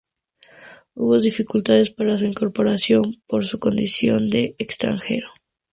Hubo dificultades para su incorporación por su condición de extranjero.